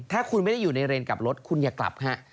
ถ้าคุณไม่ได้อยู่ในเรนกับรถคุณอย่ากลับฮะ